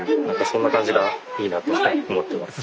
そんな感じがいいなと思ってます。